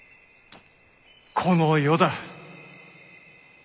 この世だ。